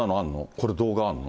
これ動画あんの？